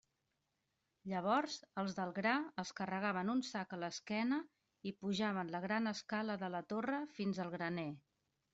Llavors els del gra es carregaven un sac a l'esquena i pujaven la gran escala de la Torre fins al graner.